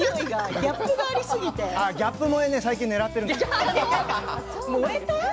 ギャップ、最近狙ってるんです。